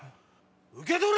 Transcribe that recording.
受け取れ！